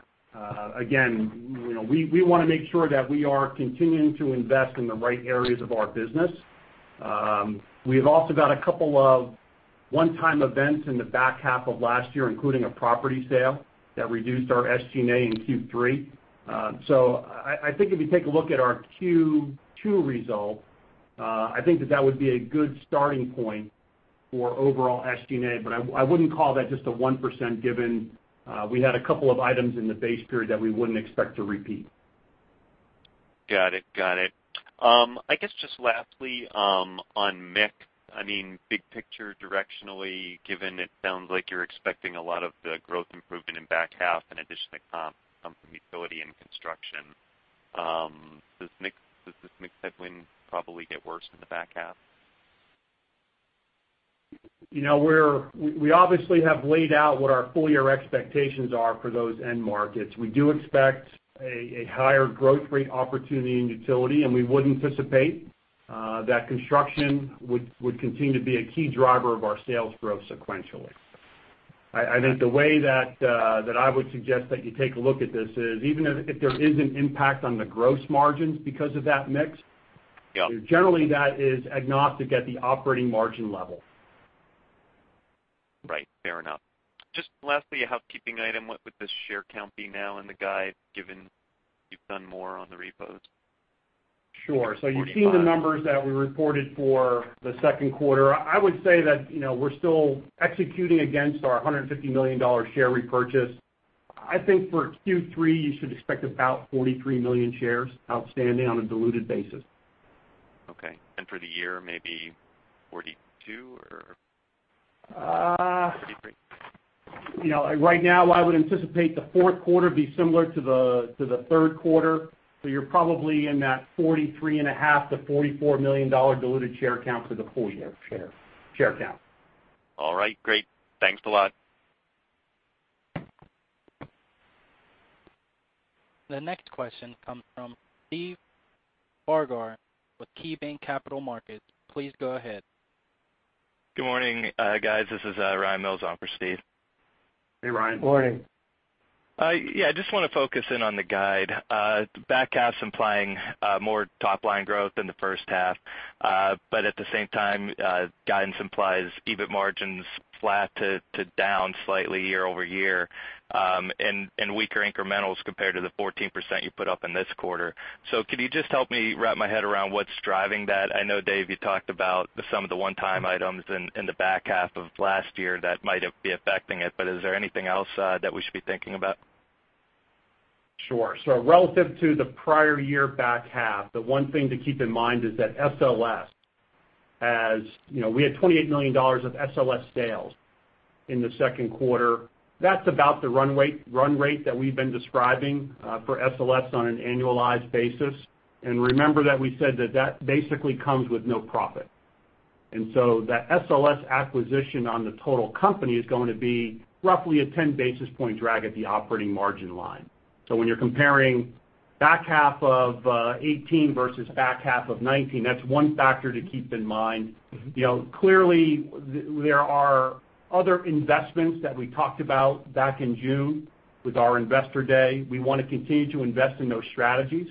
Again, we want to make sure that we are continuing to invest in the right areas of our business. We've also got a couple of one-time events in the back half of last year, including a property sale that reduced our SG&A in Q3. I think if you take a look at our Q2 results, I think that that would be a good starting point for overall SG&A, but I wouldn't call that just a 1% given we had a couple of items in the base period that we wouldn't expect to repeat. Got it. I guess just lastly, on mix, big picture directionally, given it sounds like you're expecting a lot of the growth improvement in the back half in addition to comp from utility and construction, does this mix headwind probably get worse in the back half? We obviously have laid out what our full-year expectations are for those end markets. We do expect a higher growth rate opportunity in utility, and we would anticipate that construction would continue to be a key driver of our sales growth sequentially. I think the way that I would suggest that you take a look at this is, even if there is an impact on the gross margins because of that mix, Yeah generally that is agnostic at the operating margin level. Right. Fair enough. Just lastly, a housekeeping item. What would the share count be now in the guide, given you've done more on the repos? Sure. You've seen the numbers that we reported for the second quarter. I would say that we're still executing against our $150 million share repurchase. I think for Q3, you should expect about 43 million shares outstanding on a diluted basis. Okay. For the year, maybe 42 or 43? Right now, I would anticipate the fourth quarter to be similar to the third quarter. You're probably in that 43.5 million-44 million diluted share count for the full year share count. All right, great. Thanks a lot. The next question comes from Steve Barger with KeyBanc Capital Markets. Please go ahead. Good morning, guys. This is Ryan Mills on for Steve. Hey, Ryan. Morning. Yeah, I just want to focus in on the guide. Back half's implying more top-line growth than the first half, but at the same time, guidance implies EBIT margins flat to down slightly year-over-year, and weaker incrementals compared to the 14% you put up in this quarter. Could you just help me wrap my head around what's driving that? I know, Dave, you talked about some of the one-time items in the back half of last year that might be affecting it, but is there anything else that we should be thinking about? Sure. Relative to the prior year back half, the one thing to keep in mind is that SLS, we had $28 million of SLS sales in the second quarter. That's about the run rate that we've been describing for SLS on an annualized basis. Remember that we said that basically comes with no profit. That SLS acquisition on the total company is going to be roughly a 10 basis point drag at the operating margin line. When you're comparing back half of 2018 versus back half of 2019, that's one factor to keep in mind. Clearly, there are other investments that we talked about back in June with our Investor Day, we want to continue to invest in those strategies,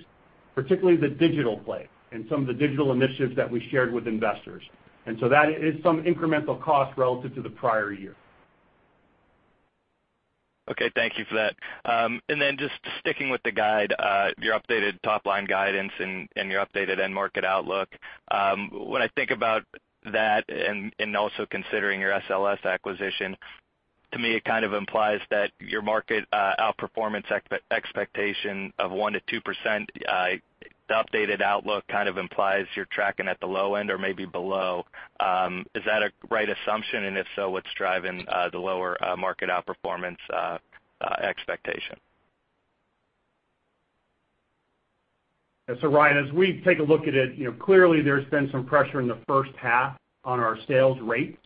particularly the digital play and some of the digital initiatives that we shared with investors. That is some incremental cost relative to the prior year. Okay, thank you for that. Just sticking with the guide, your updated top-line guidance and your updated end market outlook, I think about that and also considering your SLS acquisition, to me it kind of implies that your market outperformance expectation of 1% to 2%, the updated outlook kind of implies you're tracking at the low end or maybe below. Is that a right assumption, and if so, what's driving the lower market outperformance expectation? Ryan, as we take a look at it, clearly there's been some pressure in the first half on our sales rates,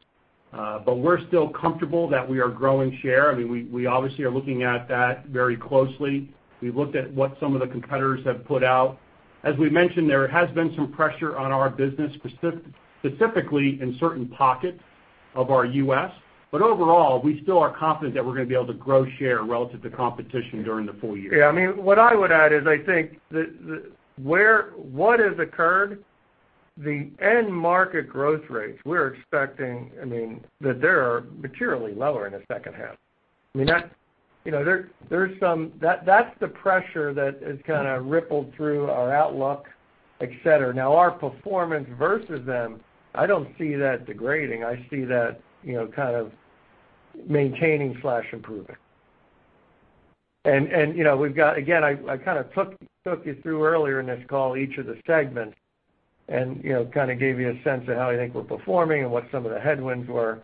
but we're still comfortable that we are growing share. I mean, we obviously are looking at that very closely. We've looked at what some of the competitors have put out. As we mentioned, there has been some pressure on our business, specifically in certain pockets of our U.S. Overall, we still are confident that we're going to be able to grow share relative to competition during the full year. Yeah, I mean, what I would add is, I think what has occurred, the end market growth rates we're expecting, I mean, that they are materially lower in the second half. I mean, that's the pressure that has kind of rippled through our outlook, et cetera. Now our performance versus them, I don't see that degrading. I see that kind of maintaining/improving. We've got Again, I kind of took you through earlier in this call each of the segments and kind of gave you a sense of how I think we're performing and what some of the headwinds were.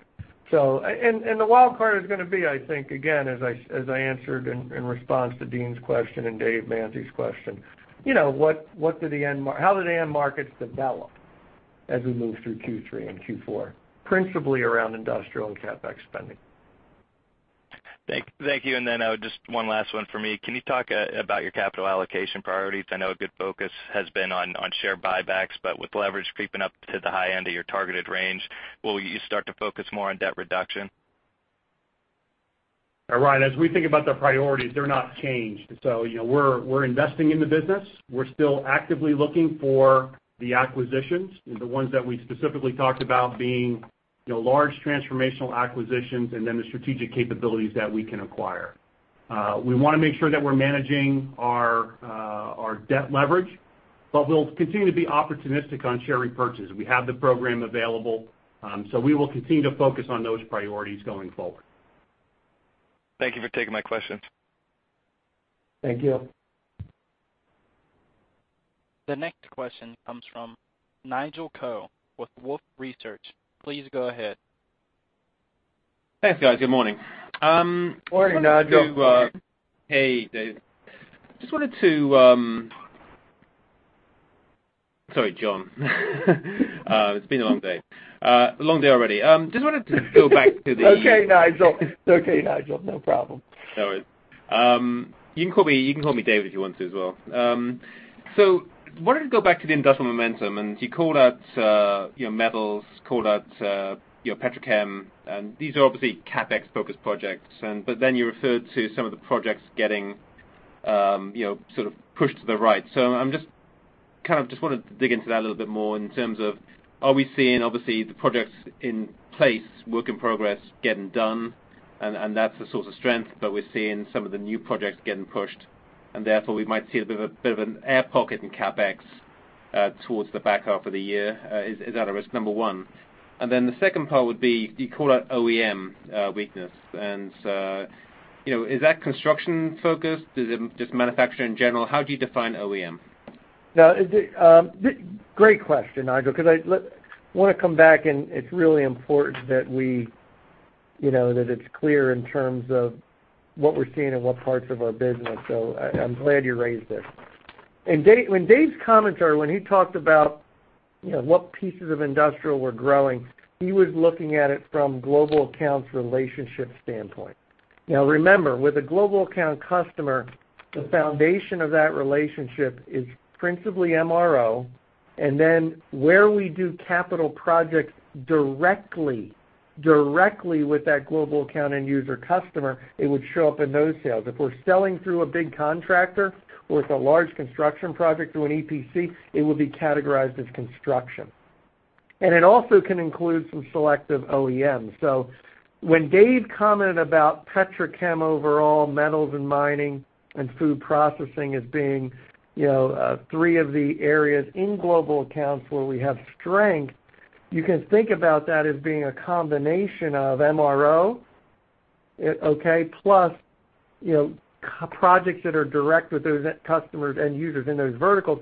The wild card is going to be, I think, again, as I answered in response to Deane's question and Dave Manthey's question, how do the end markets develop as we move through Q3 and Q4, principally around industrial and CapEx spending? Thank you. Then, just one last one from me. Can you talk about your capital allocation priorities? I know a good focus has been on share buybacks, but with leverage creeping up to the high end of your targeted range, will you start to focus more on debt reduction? Ryan, as we think about the priorities, they're not changed. We're investing in the business. We're still actively looking for the acquisitions, the ones that we specifically talked about being large transformational acquisitions and then the strategic capabilities that we can acquire. We want to make sure that we're managing our debt leverage, but we'll continue to be opportunistic on share repurchase. We have the program available, so we will continue to focus on those priorities going forward. Thank you for taking my questions. Thank you. The next question comes from Nigel Coe with Wolfe Research. Please go ahead. Thanks, guys. Good morning. Morning, Nigel. Hey, Dave. Sorry, John. It's been a long day. A long day already. Just wanted to go back to the. Okay, Nigel. No problem. No worries. You can call me David if you want to as well. Wanted to go back to the industrial momentum, you called out your metals, called out your petrochem, these are obviously CapEx-focused projects, you referred to some of the projects getting sort of pushed to the right. I kind of just wanted to dig into that a little bit more in terms of, are we seeing obviously the projects in place, work in progress, getting done, that's the source of strength, we're seeing some of the new projects getting pushed, we might see a bit of an air pocket in CapEx towards the back half of the year. Is that a risk? Number one. The second part would be, you call out OEM weakness, is that construction-focused? Is it just manufacturing in general? How do you define OEM? Great question, Nigel, because I want to come back, and it's really important that it's clear in terms of what we're seeing in what parts of our business. I'm glad you raised it. In Dave's commentary, when he talked about what pieces of industrial were growing, he was looking at it from global accounts relationship standpoint. Now remember, with a global account customer, the foundation of that relationship is principally MRO, and then where we do capital projects directly with that global account end user customer, it would show up in those sales. If we're selling through a big contractor or it's a large construction project through an EPC, it would be categorized as construction. It also can include some selective OEM. When Dave commented about petrochem overall, metals and mining and food processing as being three of the areas in global accounts where we have strength, you can think about that as being a combination of MRO, okay, plus projects that are direct with those customers and users in those verticals.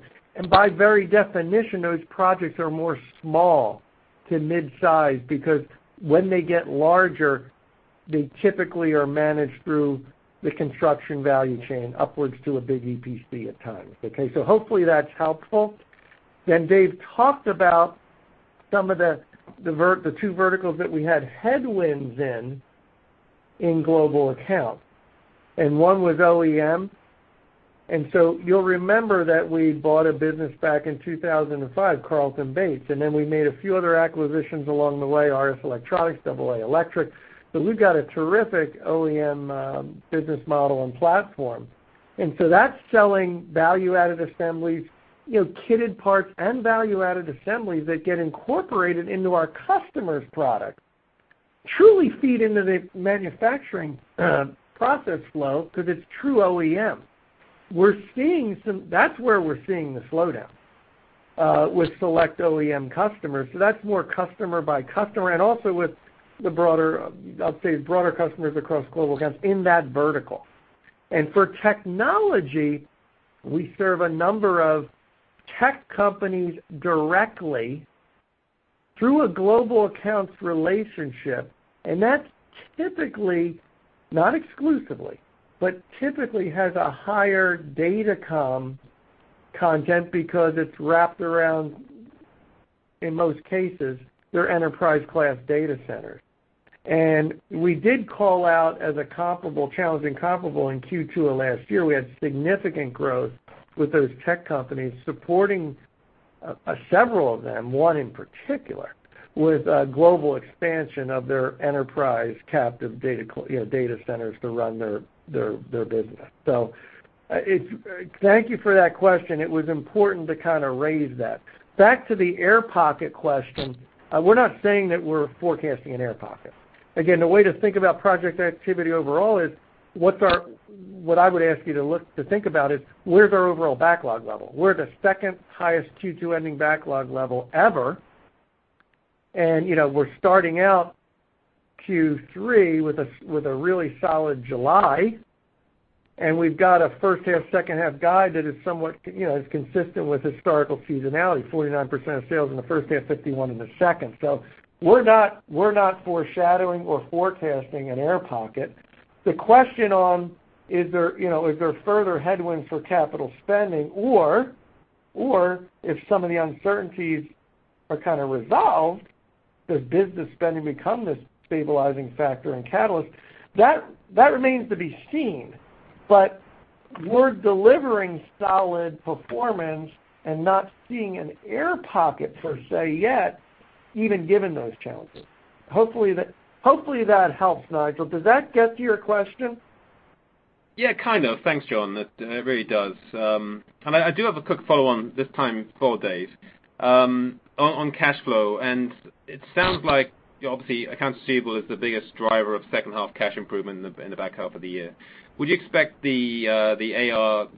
By very definition, those projects are more small to mid-size because when they get larger, they typically are managed through the construction value chain upwards to a big EPC at times. Hopefully that's helpful. Dave talked about some of the two verticals that we had headwinds in global account, and one was OEM. You'll remember that we bought a business back in 2005, Carlton-Bates Company, then we made a few other acquisitions along the way, RS Electronics, AA Electric. We've got a terrific OEM business model and platform. That's selling value-added assemblies, kitted parts, and value-added assemblies that get incorporated into our customers' product, truly feed into the manufacturing process flow because it's true OEM. That's where we're seeing the slowdown, with select OEM customers. That's more customer by customer and also with the broader, I'll say broader customers across global accounts in that vertical. For technology, we serve a number of tech companies directly through a global accounts relationship, and that typically, not exclusively, but typically has a higher datacom content because it's wrapped around, in most cases, their enterprise class data centers. We did call out as a challenging comparable in Q2 of last year. We had significant growth with those tech companies supporting several of them, one in particular, with a global expansion of their enterprise captive data centers to run their business. Thank you for that question. It was important to kind of raise that. Back to the air pocket question, we're not saying that we're forecasting an air pocket. The way to think about project activity overall is what I would ask you to think about is where's our overall backlog level? We're the second highest Q2 ending backlog level ever. We're starting out Q3 with a really solid July, and we've got a first half, second half guide that is somewhat consistent with historical seasonality, 49% of sales in the first half, 51% in the second. We're not foreshadowing or forecasting an air pocket. The question on, is there further headwinds for capital spending or if some of the uncertainties are kind of resolved, does business spending become the stabilizing factor and catalyst? That remains to be seen, but we're delivering solid performance and not seeing an air pocket per se yet, even given those challenges. Hopefully, that helps, Nigel. Does that get to your question? Yeah, kind of. Thanks, John. It really does. I do have a quick follow-on this time for Dave on cash flow, it sounds like obviously accounts receivable is the biggest driver of second half cash improvement in the back half of the year. Would you expect the AR,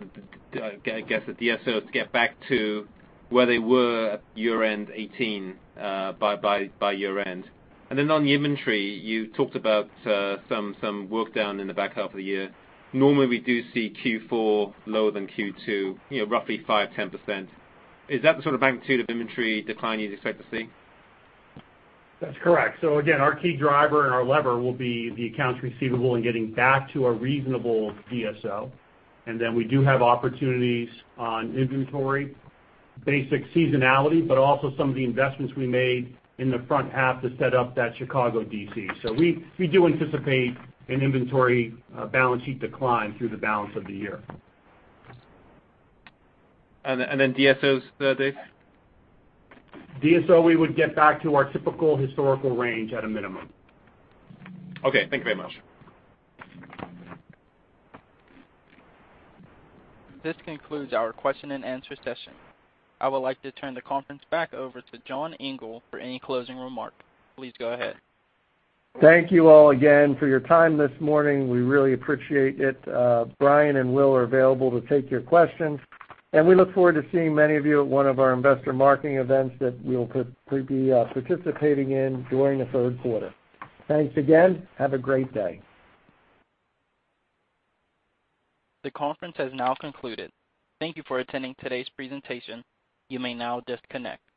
I guess, the DSO to get back to where they were at year-end 2018 by year end? On the inventory, you talked about some work down in the back half of the year. Normally, we do see Q4 lower than Q2, roughly 5%-10%. Is that the sort of magnitude of inventory decline you'd expect to see? That's correct. Again, our key driver and our lever will be the accounts receivable and getting back to a reasonable DSO. Then we do have opportunities on inventory, basic seasonality, but also some of the investments we made in the front half to set up that Chicago DC. We do anticipate an inventory balance sheet decline through the balance of the year. DSOs, Dave? DSO, we would get back to our typical historical range at a minimum. Okay. Thank you very much. This concludes our question and answer session. I would like to turn the conference back over to John Engel for any closing remark. Please go ahead. Thank you all again for your time this morning. We really appreciate it. Brian and Will are available to take your questions, and we look forward to seeing many of you at one of our investor marketing events that we will be participating in during the third quarter. Thanks again. Have a great day. The conference has now concluded. Thank you for attending today's presentation. You may now disconnect.